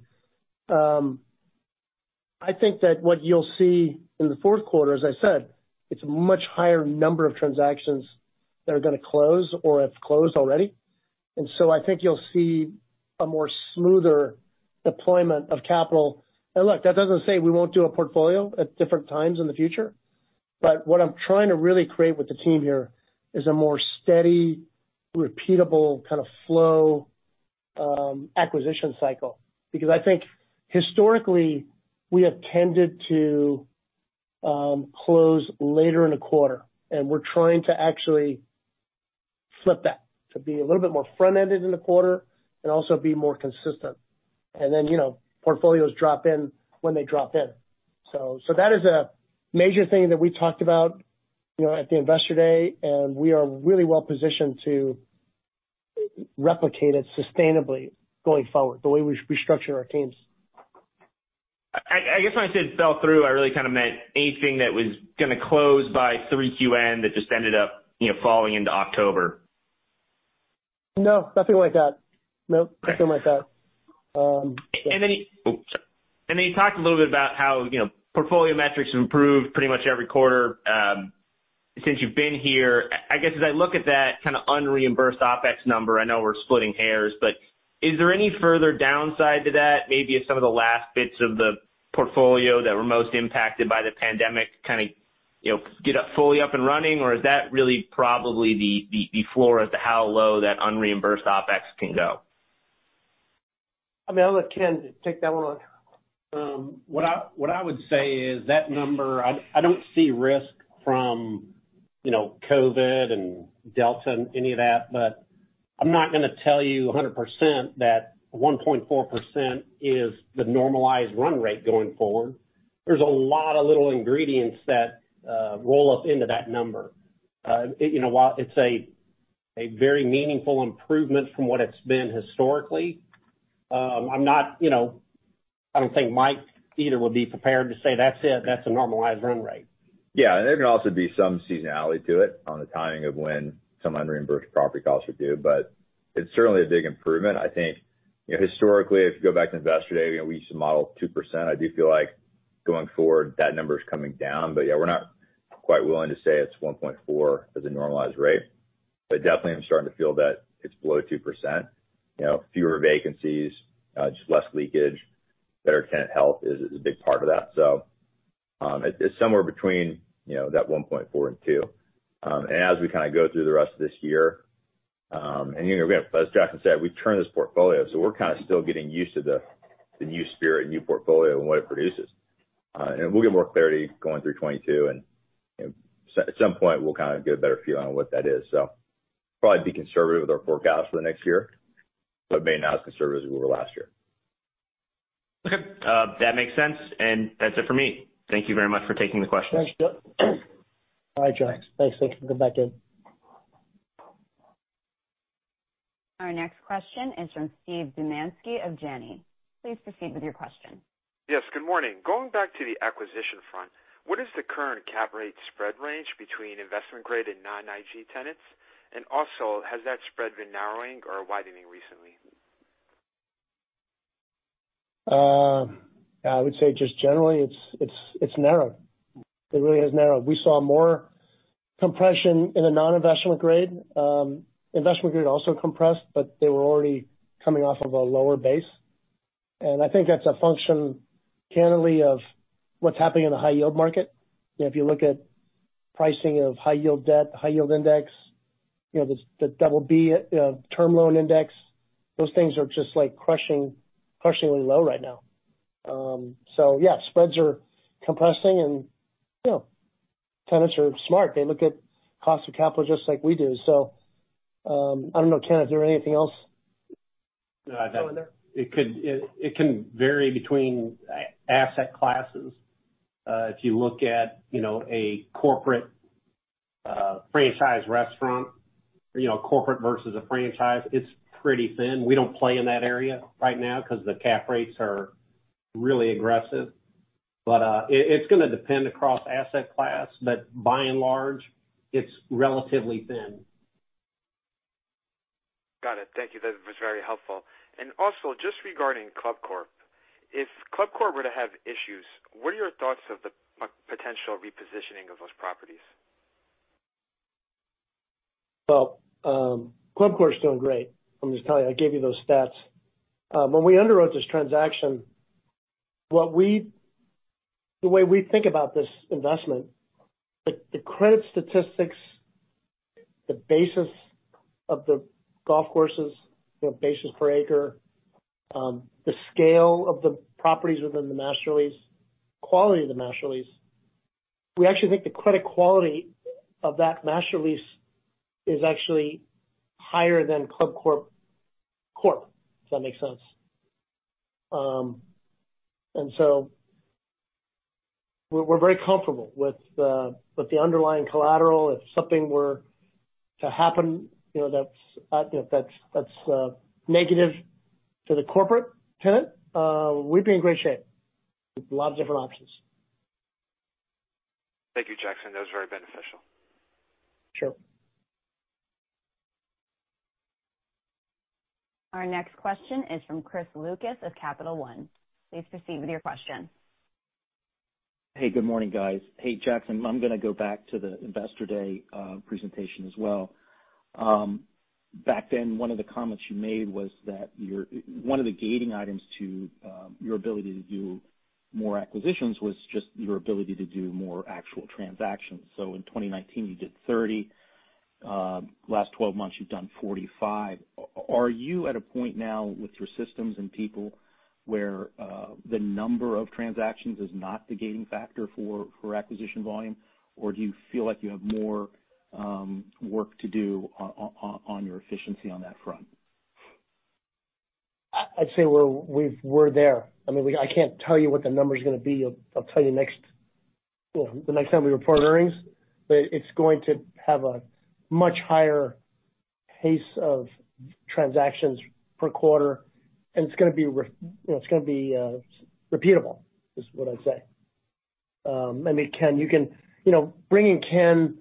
I think that what you'll see in the fourth quarter, as I said, it's a much higher number of transactions that are gonna close or have closed already. I think you'll see a more smoother deployment of capital. Look, that doesn't say we won't do a portfolio at different times in the future, but what I'm trying to really create with the team here is a more steady, repeatable kind of flow, acquisition cycle. Because I think historically, we have tended to close later in a quarter, and we're trying to actually flip that to be a little bit more front-ended in the quarter and also be more consistent. You know, portfolios drop in when they drop in. That is a major thing that we talked about, you know, at the Investor Day, and we are really well positioned to replicate it sustainably going forward, the way we structured our teams. I guess when I said fell through, I really kind of meant anything that was gonna close by 3Q end that just ended up, you know, falling into October. No, nothing like that. Nope. Okay. Nothing like that. You talked a little bit about how, you know, portfolio metrics have improved pretty much every quarter since you've been here. I guess, as I look at that kind of unreimbursed OpEx number, I know we're splitting hairs, but is there any further downside to that? Maybe if some of the last bits of the portfolio that were most impacted by the pandemic kind of, you know, get fully up and running, or is that really probably the floor as to how low that unreimbursed OpEx can go? I mean, I'll let Ken take that one on. What I would say is that number. I don't see risk from, you know, COVID and Delta and any of that, but I'm not gonna tell you 100% that 1.4% is the normalized run rate going forward. There's a lot of little ingredients that roll up into that number. You know, while it's a very meaningful improvement from what it's been historically, I'm not. You know, I don't think Mike either would be prepared to say, "That's it. That's a normalized run rate." Yeah. There can also be some seasonality to it on the timing of when some unreimbursed property costs are due, but it's certainly a big improvement. I think, you know, historically, if you go back to Investor Day, you know, we used to model 2%. I do feel like going forward, that number is coming down. Yeah, we're not quite willing to say it's 1.4 as a normalized rate. Definitely, I'm starting to feel that it's below 2%. You know, fewer vacancies, just less leakage, better tenant health is a big part of that. It's somewhere between, you know, that 1.4% and 2%. As we kinda go through the rest of this year. You know, as Jackson said, we turned this portfolio, so we're kinda still getting used to the new Spirit, new portfolio and what it produces. We'll get more clarity going through 2022 and, you know, at some point we'll kind of get a better feel on what that is. Probably be conservative with our forecast for the next year, but maybe not as conservative as we were last year. Okay. That makes sense, and that's it for me. Thank you very much for taking the questions. Thanks, John. All right, John. Thanks. You can go back in. Our next question is from Steve Dumanski of Janney. Please proceed with your question. Yes, good morning. Going back to the acquisition front, what is the current cap rate spread range between investment-grade and non-IG tenants? Also, has that spread been narrowing or widening recently? I would say just generally it's narrowed. It really has narrowed. We saw more compression in the non-investment grade. Investment grade also compressed, but they were already coming off of a lower base. I think that's a function candidly of what's happening in the high yield market. You know, if you look at pricing of high yield debt, high yield index, you know, the double B term loan index, those things are just like crushingly low right now. Yeah, spreads are compressing and, you know, tenants are smart. They look at cost of capital just like we do. I don't know, Ken, is there anything else? No, I don't. Going there? It can vary between asset classes. If you look at, you know, a corporate franchise restaurant or, you know, a corporate versus a franchise, it's pretty thin. We don't play in that area right now because the cap rates are really aggressive. It's gonna depend across asset class, but by and large, it's relatively thin. Got it. Thank you. That was very helpful. Also just regarding ClubCorp. If ClubCorp were to have issues, what are your thoughts of the potential repositioning of those properties? Well, ClubCorp's doing great. Let me just tell you, I gave you those stats. When we underwrote this transaction, the way we think about this investment, the credit statistics, the basis of the golf courses, you know, basis per acre, the scale of the properties within the master lease, quality of the master lease. We actually think the credit quality of that master lease is actually higher than ClubCorp, if that makes sense. We're very comfortable with the underlying collateral. If something were to happen, you know, that's negative to the corporate tenant, we'd be in great shape with lots of different options. Thank you, Jackson. That was very beneficial. Sure. Our next question is from Chris Lucas of Capital One. Please proceed with your question. Hey, good morning, guys. Hey, Jackson, I'm gonna go back to the Investor Day presentation as well. Back then, one of the comments you made was that one of the gating items to your ability to do more acquisitions was just your ability to do more actual transactions. In 2019, you did 30. Last 12 months, you've done 45. Are you at a point now with your systems and people where the number of transactions is not the gating factor for acquisition volume, or do you feel like you have more work to do on your efficiency on that front? I'd say we're there. I mean, I can't tell you what the number's gonna be. I'll tell you the next time we report earnings, but it's going to have a much higher pace of transactions per quarter, and it's gonna be, you know, repeatable is what I'd say. Maybe Ken, you can describe bringing Ken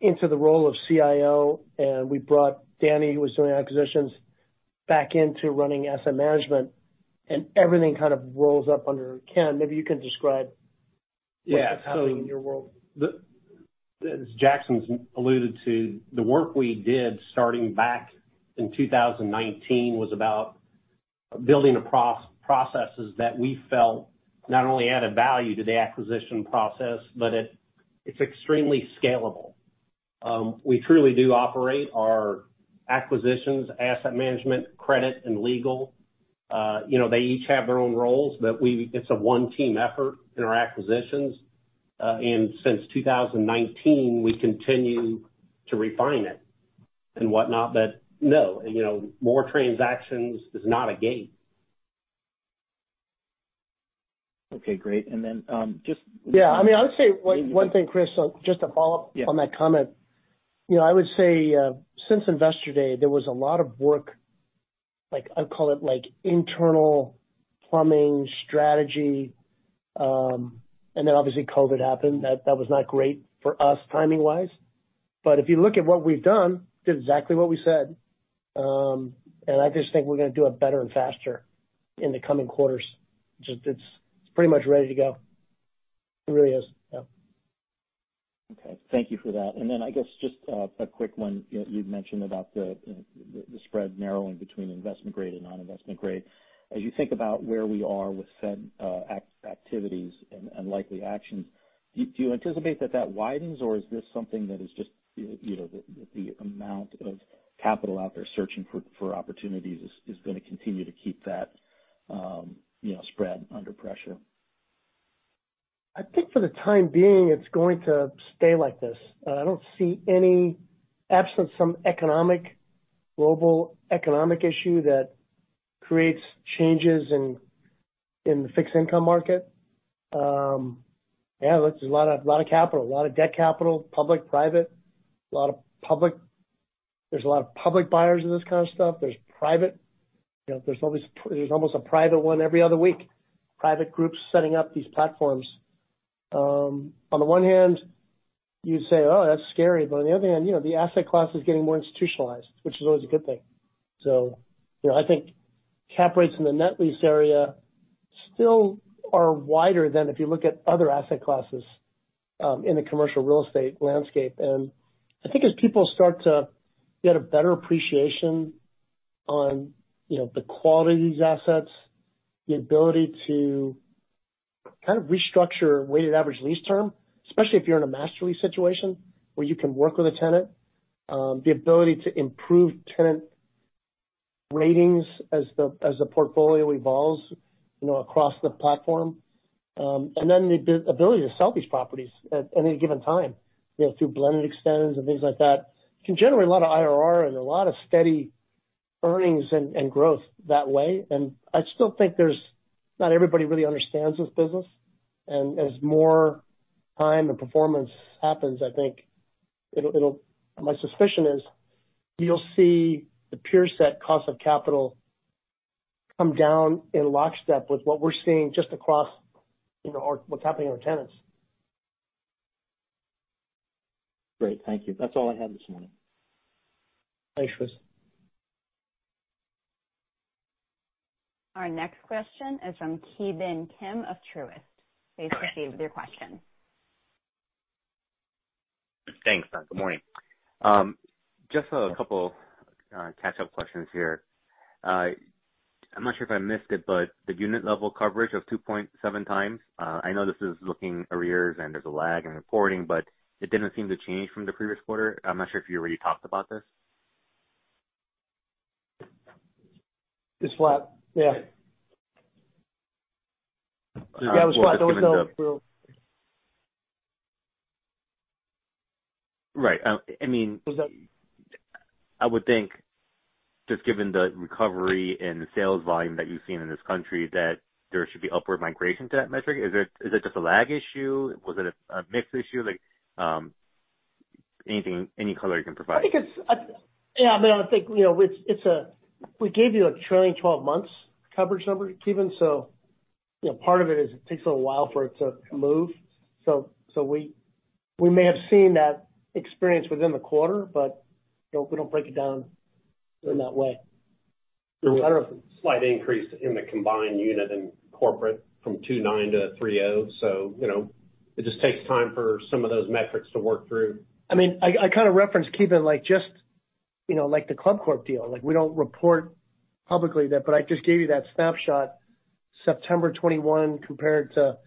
into the role of CIO, and we brought Danny, who was doing acquisitions, back into running asset management and everything kind of rolls up under Ken. Yeah. What's happening in your world? As Jackson's alluded to, the work we did starting back in 2019 was about building proprietary processes that we felt not only added value to the acquisition process, but it's extremely scalable. We truly do operate our acquisitions, asset management, credit, and legal. You know, they each have their own roles, but it's a one-team effort in our acquisitions. Since 2019, we continue to refine it and whatnot. No, you know, more transactions is not a gate. Okay, great. And then um. Yeah. I mean, I would say one thing, Chris, so just to follow up. Yeah. On that comment. You know, I would say, since Investor Day, there was a lot of work, like I'd call it like internal plumbing strategy, and then obviously COVID happened. That was not great for us timing-wise. If you look at what we've done, did exactly what we said. I just think we're gonna do it better and faster in the coming quarters. It's pretty much ready to go. It really is. Yeah. Okay. Thank you for that. I guess just a quick one. You'd mentioned about the spread narrowing between investment grade and non-investment grade. As you think about where we are with acquisition activities and likely actions, do you anticipate that widens or is this something that is just, you know, the amount of capital out there searching for opportunities is gonna continue to keep that, you know, spread under pressure? I think for the time being, it's going to stay like this. I don't see any absence of global economic issues that create changes in the fixed income market. There's a lot of capital, a lot of debt capital, public, private. A lot of public. There's a lot of public buyers of this kind of stuff. There's private. You know, there's almost a private one every other week, private groups setting up these platforms. On the one hand, you say, "Oh, that's scary." But on the other hand, you know, the asset class is getting more institutionalized, which is always a good thing. You know, I think cap rates in the net lease area still are wider than if you look at other asset classes in the commercial real estate landscape. I think as people start to get a better appreciation on, you know, the quality of these assets, the ability to kind of restructure weighted average lease term, especially if you're in a master lease situation where you can work with a tenant, the ability to improve tenant ratings as the portfolio evolves, you know, across the platform. Then the ability to sell these properties at any given time, you know, through blended extensions and things like that, can generate a lot of IRR and a lot of steady earnings and growth that way. I still think there's not everybody really understands this business. As more time and performance happens, I think it'll. My suspicion is you'll see the peer set cost of capital come down in lockstep with what we're seeing just across, you know, what's happening in our tenants. Great. Thank you. That's all I had this morning. Thanks, Chris. Our next question is from Ki Bin Kim of Truist. Please proceed with your question. Thanks. Good morning. Just a couple catch-up questions here. I'm not sure if I missed it, but the unit level coverage of 2.7x, I know this is looking in arrears and there's a lag in reporting, but it didn't seem to change from the previous quarter. I'm not sure if you already talked about this. It's flat. Yeah. Yeah, it was flat though, so we'll Right. I mean. Was that? I would think, just given the recovery in the sales volume that you've seen in this country, that there should be upward migration to that metric. Is it just a lag issue? Was it a mix issue? Like, anything, any color you can provide? We gave you a trailing 12 months coverage number, Ki Bin, so, you know, part of it is it takes a little while for it to move. We may have seen that experience within the quarter, but we don't break it down in that way. There was a slight increase in the combined unit and corporate from 29 to 30, so, you know, it just takes time for some of those metrics to work through. I mean, I kinda referenced Ki Bin Kim, like just, you know, like the ClubCorp deal. Like we don't report publicly that, but I just gave you that snapshot, September 2021 compared to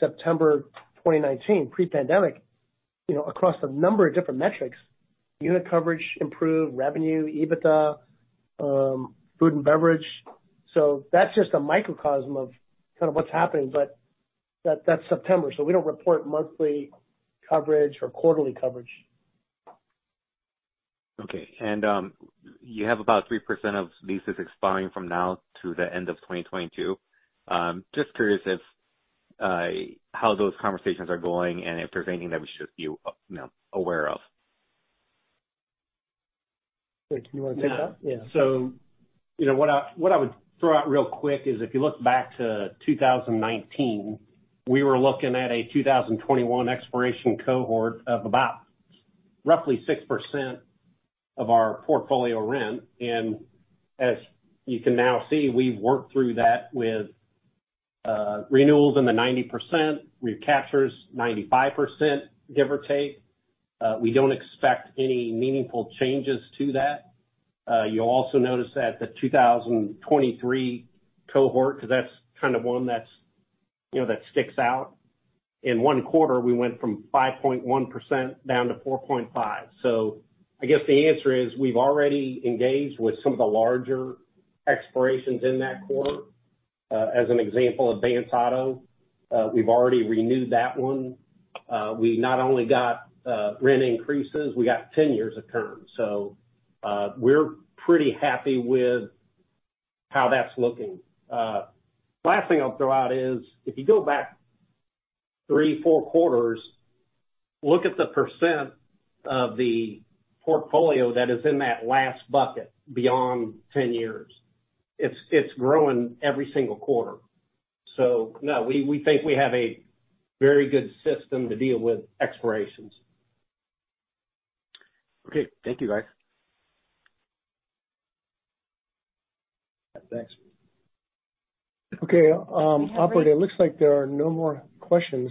September 2019 pre-pandemic, you know, across a number of different metrics, unit coverage, improved revenue, EBITDA, food and beverage. That's just a microcosm of kind of what's happening, but that's September, so we don't report monthly coverage or quarterly coverage. Okay. You have about 3% of leases expiring from now to the end of 2022. Just curious if, how those conversations are going and if there's anything that we should be you know, aware of. Ken, do you wanna take that? Yeah. Yeah. You know, what I would throw out real quick is if you look back to 2019, we were looking at a 2021 expiration cohort of about roughly 6% of our portfolio rent. As you can now see, we've worked through that with renewals in the 90%, recaptures 95%, give or take. We don't expect any meaningful changes to that. You'll also notice that the 2023 cohort, 'cause that's kind of one that sticks out. In one quarter, we went from 5.1% down to 4.5%. I guess the answer is we've already engaged with some of the larger expirations in that quarter. As an example, Advance Auto, we've already renewed that one. We not only got rent increases, we got 10 years of term. We're pretty happy with how that's looking. Last thing I'll throw out is if you go back three, four quarters, look at the percent of the portfolio that is in that last bucket, beyond 10 years. It's growing every single quarter. No, we think we have a very good system to deal with expirations. Okay. Thank you, guys. Thanks. Okay, operator, it looks like there are no more questions.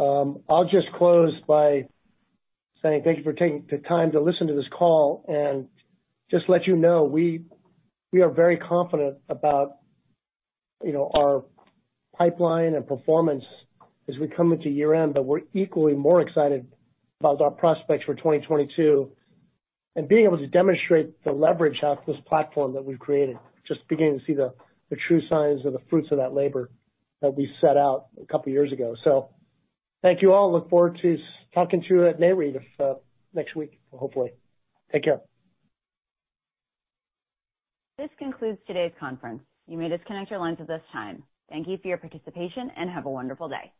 I'll just close by saying thank you for taking the time to listen to this call and just let you know, we are very confident about, you know, our pipeline and performance as we come into year-end, but we're equally more excited about our prospects for 2022 and being able to demonstrate the leverage off this platform that we've created. Just beginning to see the true signs of the fruits of that labor that we set out a couple years ago. Thank you all. Look forward to talking to you at Nareit next week, hopefully. Take care. This concludes today's conference. You may disconnect your lines at this time. Thank you for your participation, and have a wonderful day.